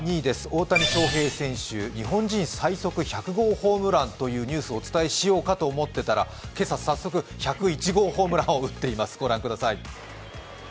大谷翔平選手、日本人最速１００号ホームランというニュースをお伝えしようと思っていたら今朝早速、１０１号ホームランを打っています、御覧ください。